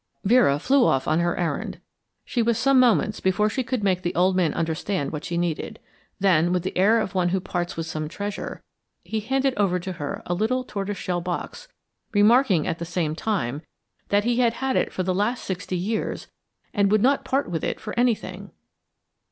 Vera flew off on her errand. She was some moments before she could make the old man understand what she needed; then, with the air of one who parts with some treasure, he handed over to her a little tortoiseshell box, remarking, at the same time, that he had had it for the last sixty years and would not part with it for anything.